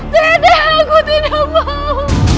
tidak aku tidak mau